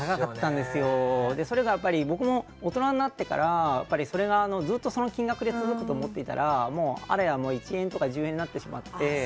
それが僕も大人になってからずっとその金額で続くと思っていたらもう、１円とか１０円になってしまって。